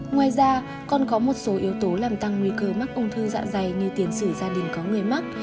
ngoài ra còn có một số yếu tố làm tăng nguy cơ mắc ung thư dạ dày như tiền sử gia đình có người mắc